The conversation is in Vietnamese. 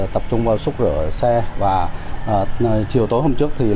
tập trung vào xúc rửa xe và chiều tối hôm trước